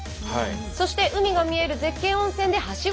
そして海が見える絶景温泉ではしご風呂。